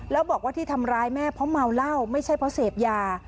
แล้วบอกว่าที่ทำร้ายแม่เพราะเมาเหล้าไม่ใช่เพราะเสพยา